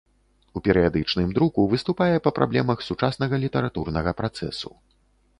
У перыядычным друку выступае па праблемах сучаснага літаратурнага працэсу.